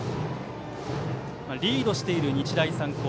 リードしている日大三高。